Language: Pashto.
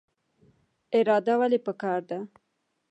اراده ولې پکار ده؟